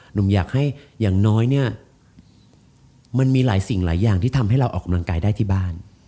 หนุ่มอยากให้อย่างน้อยเนี่ยมันมีหลายสิ่งหลายอย่างที่ทำให้เราออกกำลังกายได้ที่บ้าน